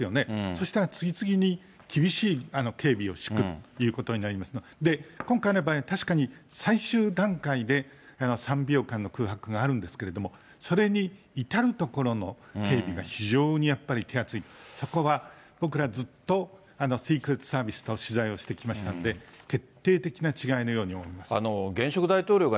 そしたら、次々に厳しい警備を敷くということになりますので、今回の場合、確かに最終段階で３秒間の空白があるんですけれども、それに至るところの警備が非常にやっぱり手厚い、そこは僕ら、ずっとシークレット・サービスの取材をしてきましたので、徹底的な違いのように思います。